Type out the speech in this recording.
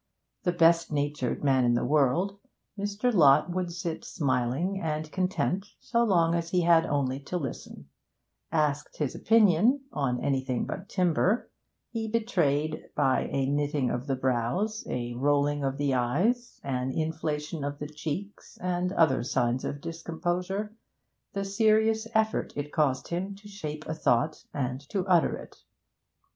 The best natured man in the world, Mr. Lott would sit smiling and content so long as he had only to listen; asked his opinion (on anything but timber), he betrayed by a knitting of the brows, a rolling of the eyes, an inflation of the cheeks, and other signs of discomposure, the serious effort it cost him to shape a thought and to utter it.